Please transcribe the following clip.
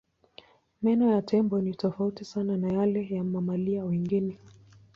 Meno ya tembo ni tofauti sana na yale ya mamalia wengine.